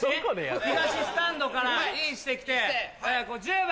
東スタンドからインしてきて１０番！